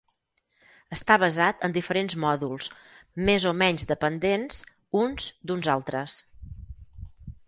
Està basat en diferents mòduls més o menys dependents uns d'uns altres.